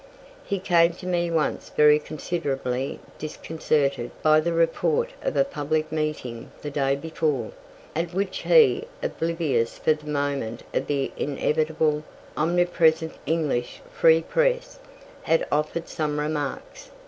He came to me once very considerably disconcerted by the report of a public meeting the day before, at which he, oblivious for the moment of the inevitable omnipresent English free press, had offered some remarks.